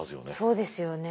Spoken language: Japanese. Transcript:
そうですよね。